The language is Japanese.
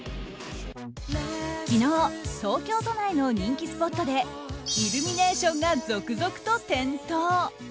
昨日、東京都内の人気スポットでイルミネーションが続々と点灯。